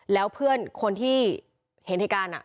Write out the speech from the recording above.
แล้วเพื่อนคนที่เห็นเหตุการณ์